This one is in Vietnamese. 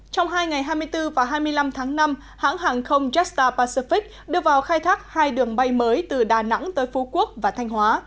trong hai ngày hai mươi bốn và hai mươi năm tháng năm hãng hàng không jetstar pacific đưa vào khai thác hai đường bay mới từ đà nẵng tới phú quốc và thanh hóa